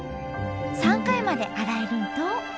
３回まで洗えるんと。